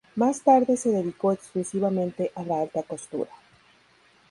Más tarde se dedicó exclusivamente a la alta costura.